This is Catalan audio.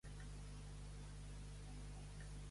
Què va declarar Sòcrates que va fer ella?